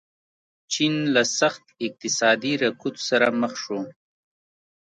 چین له سخت اقتصادي رکود سره مخ شو.